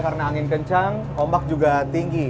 karena angin kencang ombak juga tinggi